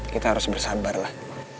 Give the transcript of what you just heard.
kita harus bersabar lah